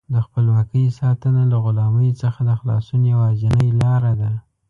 د خپلواکۍ ساتنه له غلامۍ څخه د خلاصون یوازینۍ لاره ده.